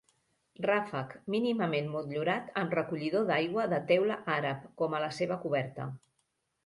Ràfec mínimament motllurat amb recollidor d'aigua de teula àrab, com a la seva coberta.